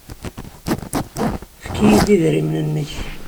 Efk-iyi-d idrimen-nnek.